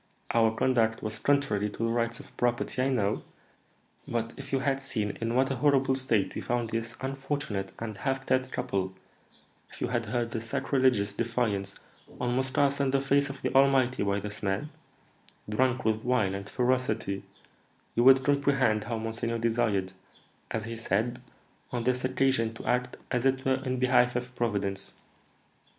Our conduct was contrary to the rights of property, I know; but if you had seen in what a horrible state we found this unfortunate and half dead couple, if you had heard the sacrilegious defiance almost cast in the face of the Almighty by this man, drunk with wine and ferocity, you would comprehend how monseigneur desired, as he said, on this occasion to act as it were in behalf of Providence."